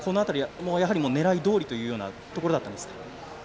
狙いどおりというところだったんですか？